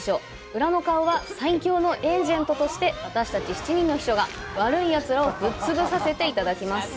裏の顔は「最強のエージェント」として私たち７人の秘書が悪いやつらをぶっ潰させていただきます。